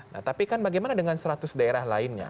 nah tapi kan bagaimana dengan seratus daerah lainnya